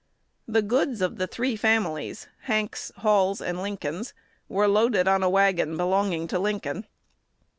The goods of the three families Hanks, Hall, and Lincoln were loaded on a wagon belonging to Lincoln.